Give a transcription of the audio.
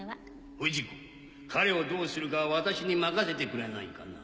不二子彼をどうするかは私に任せてくれないかな。